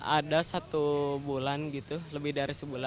ada satu bulan gitu lebih dari sebulan